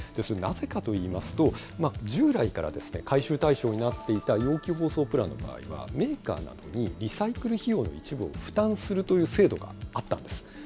なぜかといいますと、従来から回収対象になっていた容器・包装プラの場合はメーカーなどにリサイクル費用の一部を負担するという制度があったんです。